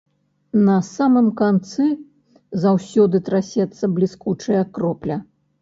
На самым канцы заўсёды трасецца бліскучая кропля.